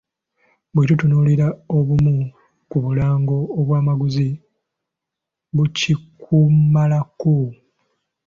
Bwe tutunuulira obumu ku bulango obwamaguzi, bukikumalako!